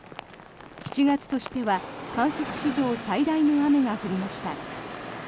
７月としては観測史上最大の雨が降りました。